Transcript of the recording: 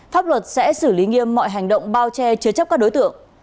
pháp luật sẽ xử lý nghiêm mọi hành động bao che chứa chấp các đối tượng